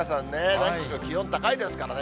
何しろ気温高いですからね。